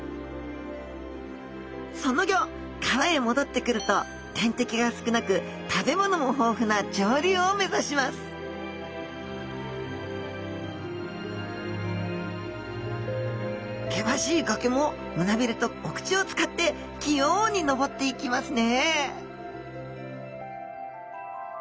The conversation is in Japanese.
その後川へ戻ってくると天敵が少なく食べ物も豊富な上流を目指します険しい崖も胸びれとお口を使って器用に登っていきますね